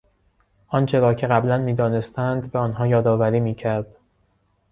آنچه را که قبلا میدانستند به آنها یادآوری میکرد.